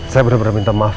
saya benar benar minta maaf